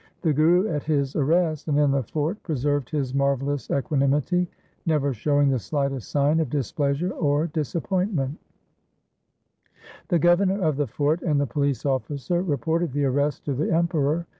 The Guru at his arrest and in the fort preserved his marvellous equanimity, never showing the slightest sign of displeasure or disappointment. 378 THE SIKH RELIGION The Governor of the fort and the police officer reported the arrest to the Emperor.